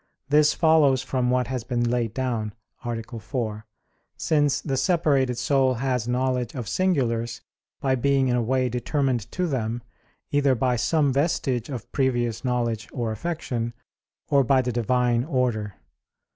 This follows from what has been laid down (A. 4), since the separated soul has knowledge of singulars, by being in a way determined to them, either by some vestige of previous knowledge or affection, or by the Divine order.